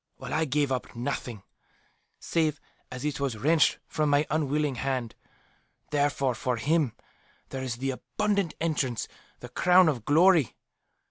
"While I gave up nothing, save as it was wrenched from my unwilling hand. Therefore for him there is the 'abundant entrance,' the 'crown of glory.